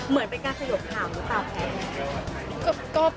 เหมือนเป็นการสยบข่าวหรือเปล่า